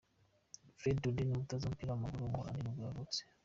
Fred Rutten, umutoza w’umupira w’amaguru w’umuholandi nibwo yavutse.